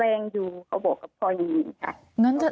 แรงอยู่เขาบอกกับพ่ออย่างนี้ค่ะ